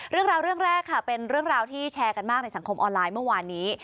เรื่องราวเรื่องแรกค่ะเป็นเรื่องราวที่แชร์กันมากในสังคมออนไลน์เมื่อวานนี้